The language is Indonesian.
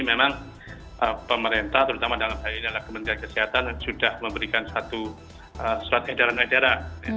memang pemerintah terutama dalam hal ini adalah kementerian kesehatan sudah memberikan satu surat edaran acara